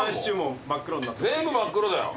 全部真っ黒だよ。